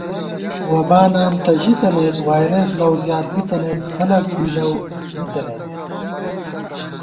وَبا نام تہ ژِتَنَئیت وائرَس لَؤ زیات بِتَنَئیت خلَک بی لَؤ مِتَنَئیت